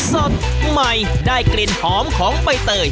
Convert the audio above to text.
สดใหม่ได้กลิ่นหอมของใบเตย